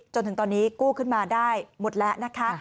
จนถึงตอนนี้กู้ขึ้นมาได้หมดแล้วนะคะ